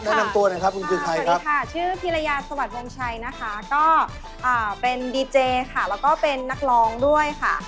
สวัสดีค่ะชื่อพิรญาสวรรค์วงชัยนะคะก็เป็นดีเจค่ะแล้วก็เป็นนักร้องด้วยค่ะ